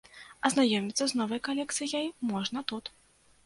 Азнаёміцца з новай калекцыяй можна тут.